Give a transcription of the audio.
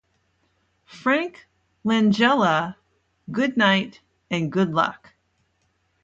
Frank Langella - Good Night, and Good Luck.